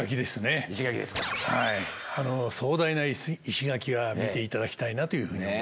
壮大な石垣は見て頂きたいなというふうに。